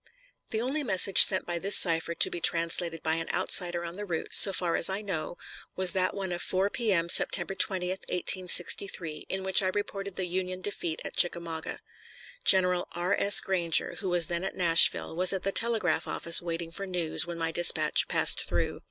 The only message sent by this cipher to be translated by an outsider on the route, so far as I know, was that one of 4 P.M., September 20, 1863, in which I reported the Union defeat at Chickamauga. General R. S. Granger, who was then at Nashville, was at the telegraph office waiting for news when my dispatch passed through.